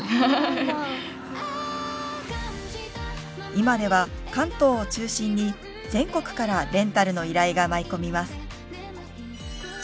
今では関東を中心に全国からレンタルの依頼が舞い込みます。